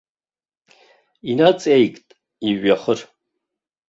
Инаҵеикт ижәҩахыр.